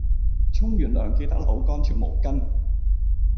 沖完涼記得扭乾條毛巾